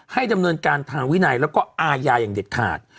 ให้ดำเนินการทางวินัยแล้วก็อาญาอย่างเด็ดขาด